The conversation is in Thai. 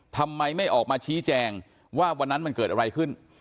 ทำไมไม่ออกมาชี้แจงว่าวันนั้นมันเกิดอะไรขึ้น